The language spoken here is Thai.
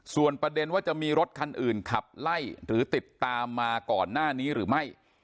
ส่วนประเด็นว่าจะมีรถคันอื่นขับไล่หรือติดตามมาก่อนหน้านี้หรือไม่